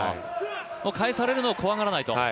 返されるのを怖がらないと。